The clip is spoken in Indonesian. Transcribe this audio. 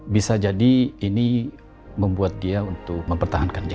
bisa jadi ini membuat dia untuk mempertahankan jalan